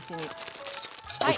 はい。